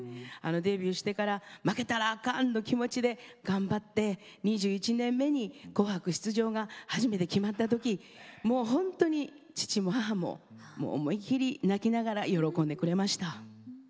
デビューしてから負けたらあかんの気持ちで頑張って２１年目に「紅白」出場が初めて決まった時もう本当に父も母も思い切り泣きながら喜んでくれました。